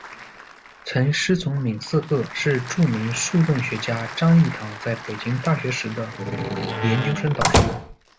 曾师从闵嗣鹤，是着名数论学家张益唐在北京大学时的研究生导师。